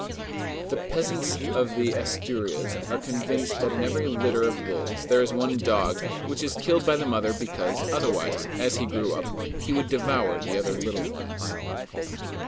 The peasants of Asturias are convinced that in every litter of wolves there is one dog, which is killed by the mother because, otherwise, as he grew up, he would devour the other little ones.